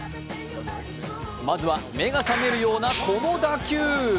まずは目が覚めるようなこの打球。